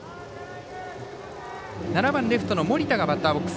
７番、レフトの森田がバッターボックス。